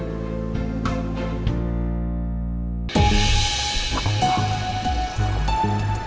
sampai jumpa lagi